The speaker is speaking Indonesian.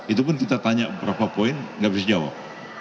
itu pun kita tanya berapa poin nggak bisa jawab